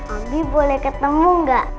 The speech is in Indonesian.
abi boleh ketemu nggak